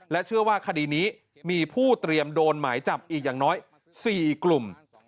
เชื่อว่าคดีนี้มีผู้เตรียมโดนหมายจับอีกอย่างน้อย๔กลุ่ม